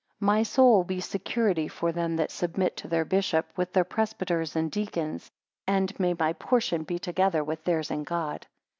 My soul be security for them that submit to their bishop, with their presbyters and deacons. And may my portion be together with theirs in God.